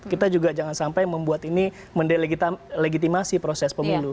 kita juga jangan sampai membuat ini mendelegitimasi proses pemilu